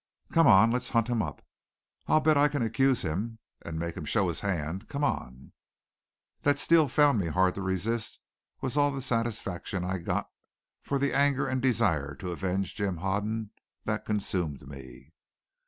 "Come on; let's hunt him up. I'll bet I can accuse him and make him show his hand. Come on!" That Steele found me hard to resist was all the satisfaction I got for the anger and desire to avenge Jim Hoden that consumed me.